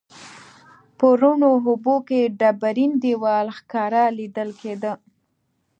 په روڼو اوبو کې ډبرین دیوال ښکاره لیدل کیده.